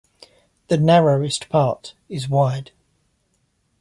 The narrowest part is wide.